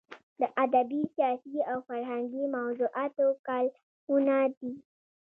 د ادبي، سیاسي او فرهنګي موضوعاتو کالمونه دي.